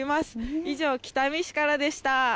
以上、北見市からでした。